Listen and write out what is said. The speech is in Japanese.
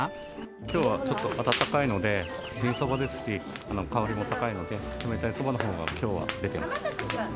きょうはちょっと暖かいので、新そばですし、香りも高いので、冷たいそばのほうがきょうは出てます。